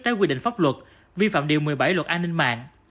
trái quy định pháp luật vi phạm điều một mươi bảy luật an ninh mạng